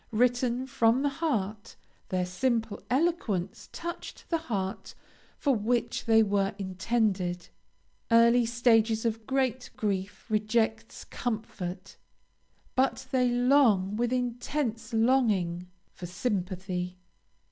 Written from the heart, their simple eloquence touched the heart for which they were intended. Early stages of great grief reject comfort, but they long, with intense longing, for sympathy.